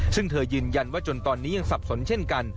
ซึ่งเธอยืนยันว่าจนตอนนี้ยังสับสนเช่นกัน